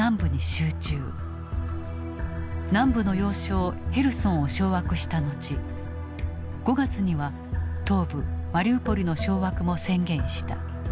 南部の要衝ヘルソンを掌握した後５月には東部マリウポリの掌握も宣言した。